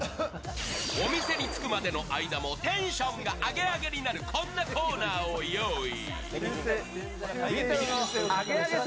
お店に着くまでの間もテンションがアゲアゲになるこんなコーナーを用意。